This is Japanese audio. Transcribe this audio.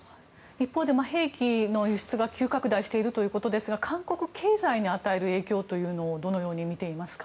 一方で兵器の輸出が急拡大しているということですが韓国経済に与える影響はどのように見ていますか。